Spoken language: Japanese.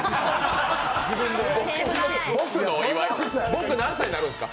僕何歳になるんですか？